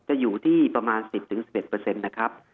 จะอยู่ที่ประมาณ๑๐๑๑นะครับ